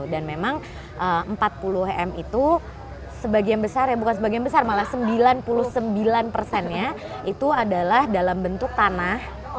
dan memang empat puluh m itu sebagian besar ya bukan sebagian besar malah sembilan puluh sembilan nya itu adalah dalam bentuk tanah